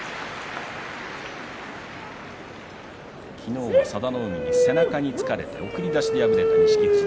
昨日は佐田の海に背中につかれて送り出しで敗れた錦富士。